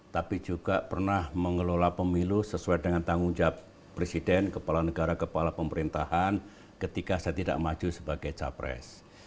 tapi juga pernah mengelola pemilu sesuai dengan tanggung jawab presiden kepala negara kepala pemerintahan ketika saya tidak maju sebagai capres